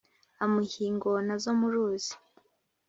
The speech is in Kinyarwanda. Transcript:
amuha ingona zo mu ruzi